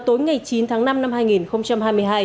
tối ngày chín tháng năm năm hai nghìn hai mươi hai